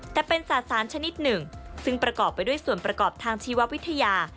แต่เป็นศาสตร์สารชนิดหนึ่งซึ่งประกอบไปด้วยส่วนประกอบทางชีววิทยา